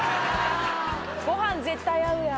ご飯絶対合うやん。